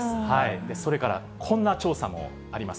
それからこんな調査もあります。